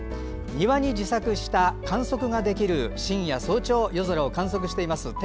庭に自作した観測ができる深夜、早朝夜空を観測しています。